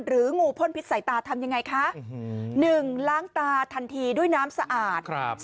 งูพ่นพิษใส่ตาทำยังไงคะ๑ล้างตาทันทีด้วยน้ำสะอาด